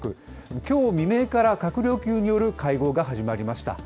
きょう未明から閣僚級による会合が始まりました。